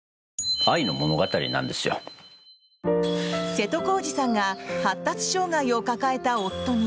瀬戸康史さんが発達障害を抱えた夫に。